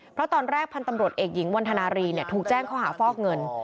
เพราะตอนแรกพันธุ์ตำรวจเอกหญิงวันธนารีถูกแจ้งข้อหาฟอกเงิน